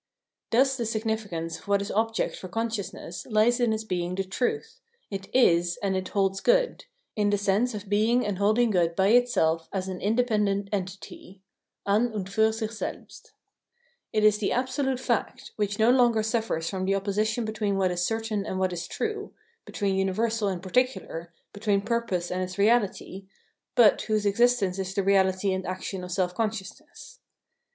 Thus the significance of what is object for conscious ness lies in its being the truth ; it is and it holds good, in the sense of being and holding good by itself as an independent entity {an und fiir sich selbst). It is the " absolute fact," which no longer suffers from the oppo sition between what is certain and what is true, between universal and particular, between purpose and its reahty, but whose existence is the reality and action of self consciousness.